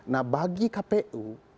nah bagi kpu